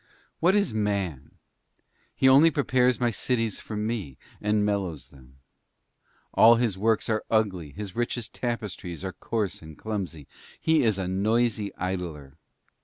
What is Man? He only prepares my cities for me, and mellows them. All his works are ugly, his richest tapestries are coarse and clumsy. He is a noisy idler.